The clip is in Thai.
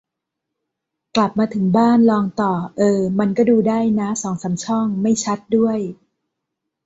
กลับมาถึงบ้าน ลองต่อ เออ มันก็ดูได้นะ สองสามช่อง ไม่ชัดด้วย